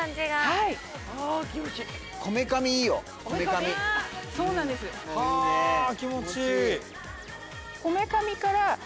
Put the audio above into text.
は気持ちいい。